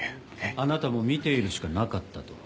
あなたも見ているしかなかったと。